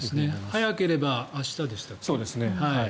早ければ明日でしたっけ。